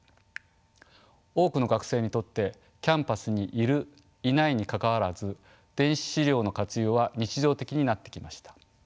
多くの学生にとってキャンパスにいるいないにかかわらず電子資料の活用は日常的になってきました。